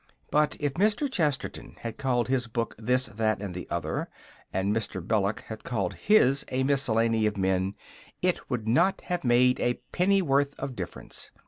_ But if Mr. Chesterton had called his book This, That, and the Other and Mr. Belloc had called his A Miscellany of Men, it would not have made a pennyworth of difference.